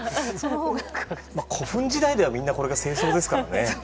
古墳時代ではこれが正装ですからね。